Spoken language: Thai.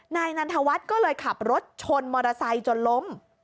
นายนันทวัฒน์ก็เลยขับรถชนมอเตอร์ไซค์จนล้ม